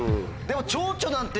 でも。